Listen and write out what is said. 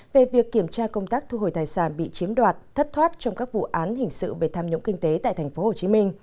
về việc kiểm tra công tác thu hồi tài sản bị chiếm đoạt thất thoát trong các vụ án hình sự về tham nhũng kinh tế tại tp hcm